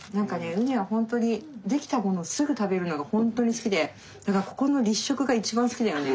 羽根はほんとに出来たものをすぐ食べるのが本当に好きでだからここの立食が一番好きだよね